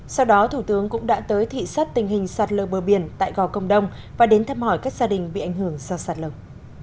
sau đó thủ tướng cũng đã tới thị sát tình hình sạt lờ bờ biển tại gò công đông và đến thăm hỏi các gia đình bị ảnh hưởng do sạt lở